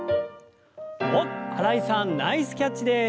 おっ新井さんナイスキャッチです！